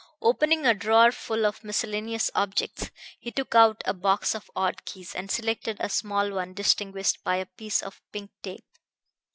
Opening a drawer full of miscellaneous objects, he took out a box of odd keys, and selected a small one distinguished by a piece of pink tape.